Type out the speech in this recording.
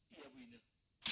iya bu indah